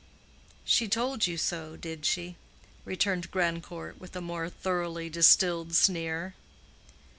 "She told you so—did she?" returned Grandcourt, with a more thoroughly distilled sneer.